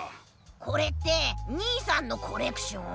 これってにいさんのコレクション？